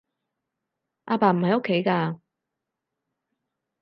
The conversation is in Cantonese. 阿爸唔喺屋企㗎